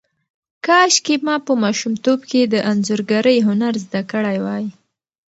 کاشکې ما په ماشومتوب کې د انځورګرۍ هنر زده کړی وای.